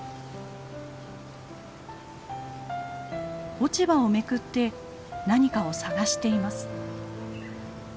落ち葉をめくって何かを探しています。